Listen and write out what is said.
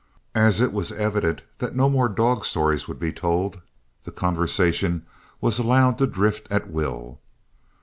As it was evident that no more dog stories would be told, the conversation was allowed to drift at will.